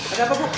ada apa bu